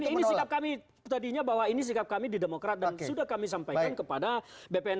ini sikap kami tadinya bahwa ini sikap kami di demokrat dan sudah kami sampaikan kepada bpn